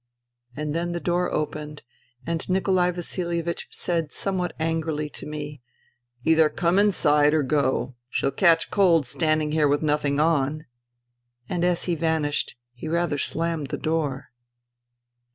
And then the door opened and Nikolai Vasilievich said somewhat angrily to me :" Either come inside, or go. She'll catch cold standing here with nothing on." And as he vanished he rather slammed the door.